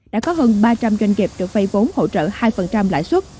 đã có hơn ba trăm linh doanh nghiệp được vay vốn hỗ trợ hai lãi xuất